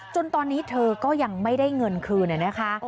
จนตอนนี้เธอก็ยังไม่ได้เงินคืนนะคะ